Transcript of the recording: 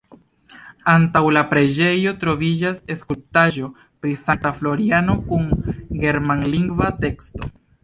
Antaŭ la preĝejo troviĝas skulptaĵo pri Sankta Floriano kun germanlingva teksto.